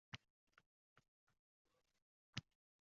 Nafaqat ona tilimizni asrash borasida ish ko'p